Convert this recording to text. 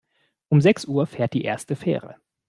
Um sechs Uhr fährt die erste Fähre.